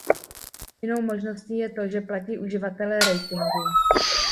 Jinou možností je to, že platí uživatelé ratingu.